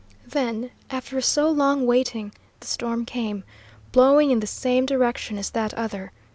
"Then, after so long waiting, the storm came, blowing in the same direction as that other.